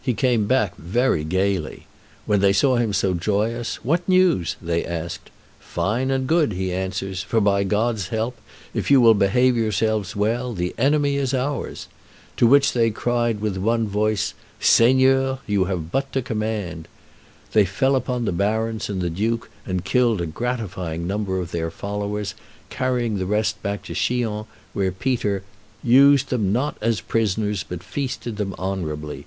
He came back very gayly; when they saw him so joyous, "What news?" they asked. "Fine and good," he answers; "for, by God's help, if you will behave yourselves well, the enemy is ours." To which they cried with one voice, "Seigneur, you have but to command." They fell upon the barons and the duke, and killed a gratifying number of their followers, carrying the rest back to Chillon, where Peter "used them not as prisoners, but feasted them honorably.